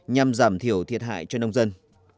nhằm giảm thiểu thiệt hại cho nông dân